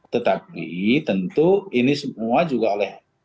tetapi tentu ini semua juga oleh